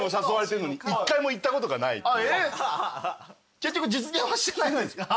結局実現はしてないんですか？